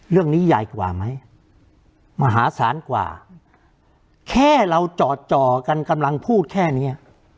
เรื่องนี้ใหญ่กว่าไหมมหาศาลกว่าแค่เราจ่อจ่อกันกำลังพูดแค่เนี้ย